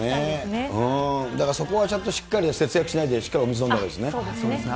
本当だよね、だからそこはちゃんとしっかり節約しないで、しっかりお水飲んだそうですね。